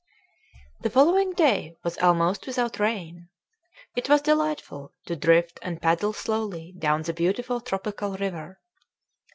The following day was almost without rain. It was delightful to drift and paddle slowly down the beautiful tropical river.